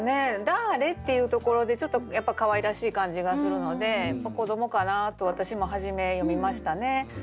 「だあれ？」っていうところでちょっとやっぱかわいらしい感じがするので子どもかなと私も初め読みましたね。